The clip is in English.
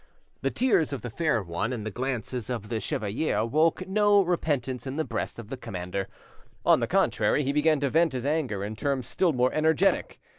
The tears of the fair one and the glances of the chevalier awoke no repentance in the breast of the commander; on the contrary, he began to vent his anger in terms still more energetic.